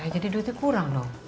jadi duitnya kurang dong